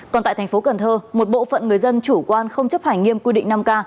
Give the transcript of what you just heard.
còn tại thành phố cần thơ một bộ phận người dân chủ quan không chấp hành nghiêm quy định năm k